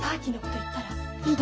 言ったら？